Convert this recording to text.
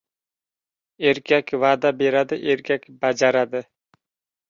• Erkak va’da beradi, erkak bajaradi.